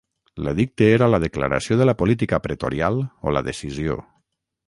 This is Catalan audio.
L'edicte era la declaració de la política pretorial o la decisió.